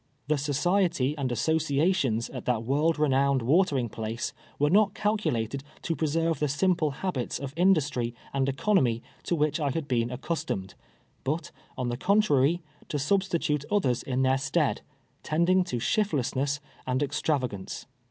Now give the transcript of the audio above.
Tlie society and associations at that world renowned Avatering ])lace, M'ere not calculated to preserve the simple habits of industry and economy to which I had been accustomed, but, on the contraiy, to substitute othei's in their stead, tending to shift lessness and extravagance.